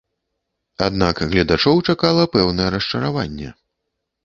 Аднак гледачоў чакала пэўнае расчараванне.